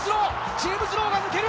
ジェームズ・ローが抜ける。